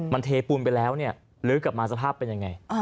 มันเทปูนไปแล้วเนี่ยลื้อกลับมาสภาพเป็นยังไง